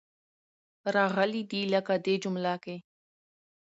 راغلې دي. لکه دې جمله کې.